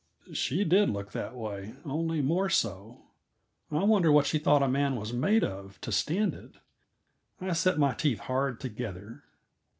She did look that way, only more so. I wonder what she thought a man was made of, to stand it. I set my teeth hard together.